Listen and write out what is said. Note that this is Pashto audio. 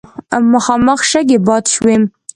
مخامخ شګې باد شوې.